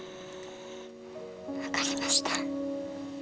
分かりました。